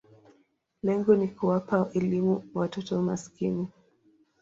Lengo ni kuwapa elimu watoto maskini.